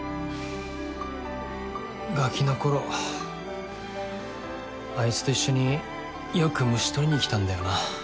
ガキの頃あいつと一緒によく虫とりに来たんだよな